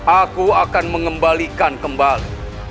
aku akan mengembalikan kembali